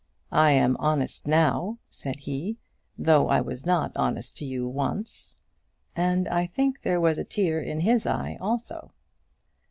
"I am honest now," said he, "though I was not honest to you once;" and I think there was a tear in his eye also.